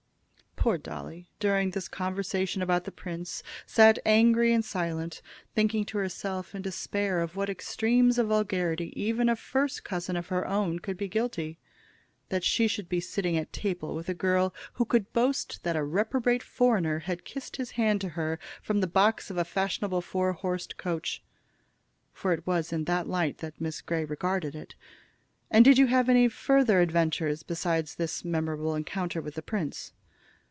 Poor Dolly, during this conversation about the prince, sat angry and silent, thinking to herself in despair of what extremes of vulgarity even a first cousin of her own could be guilty. That she should be sitting at table with a girl who could boast that a reprobate foreigner had kissed his hand to her from the box of a fashionable four horsed coach! For it was in that light that Miss Grey regarded it. "And did you have any farther adventures besides this memorable encounter with the prince?"